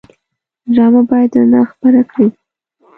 ډرامه باید رڼا خپره کړي